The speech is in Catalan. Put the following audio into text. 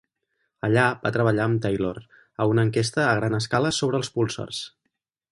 Allà va treballar amb Taylor a una enquesta a gran escala sobre els púlsars.